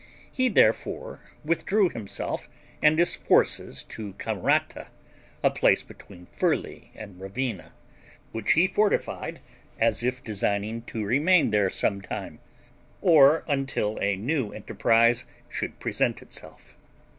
He therefore withdrew himself and his forces to Camurata, a place between Furli and Ravenna, which he fortified, as if designing to remain there some time, or till a new enterprise should present itself.